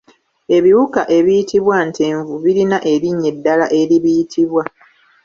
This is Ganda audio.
Ebiwuka ebiyitibwa “Ntenvu” birina erinnya eddala eribiyitibwa.